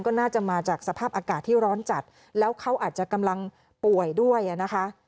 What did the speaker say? ก็น่าจะมาจากสภาพอากาศที่ร้อนจัดแล้วเขาอาจจะกำลังป่วยด้วยอ่ะนะคะ